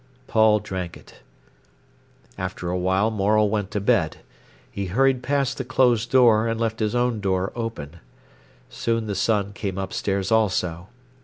Paul drank it. After a while Morel went to bed. He hurried past the closed door, and left his own door open. Soon the son came upstairs also.